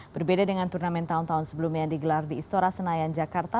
berbeda dengan turnamen tahun tahun sebelumnya yang digelar di istora senayan jakarta